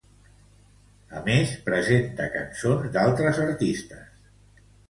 A més, presenta cançons d'altres artistes.